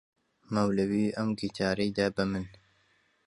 مەولەوی ئەم گیتارەی دا بە من.